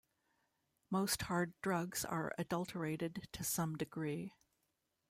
Most hard drugs are adulterated to some degree.